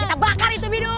kita bakar itu bidu